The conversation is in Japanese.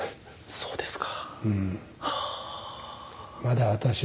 そうですか。